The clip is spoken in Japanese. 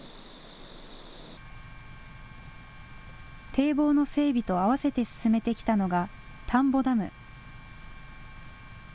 堤防の整備と合わせて進めてきたのが田んぼダム。